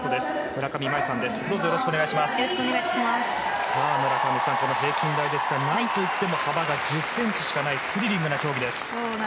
村上さん、この平均台ですが何といっても幅が１０ｃｍしかないスリリングな競技です。